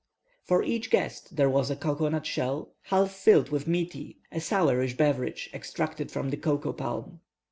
For each guest there was a cocoa nut shell, half filled with miti, a sourish beverage extracted from the cocoa palm.